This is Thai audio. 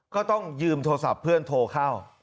ก็ต้องยืมโทรศัพท์เพื่อนโทรเข้า